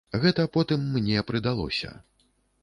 Гэта потым мне прыдалося.